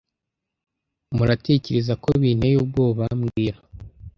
Muratekereza ko binteye ubwoba mbwira